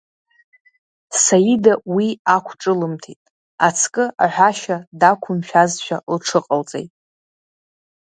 Саида уи ақәҿылымҭит, ацкы аҳәашьа дақәымшәазшәа лҽыҟалҵеит.